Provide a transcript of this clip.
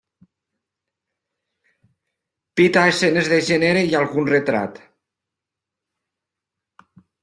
Pita escenes de gènere i algun retrat.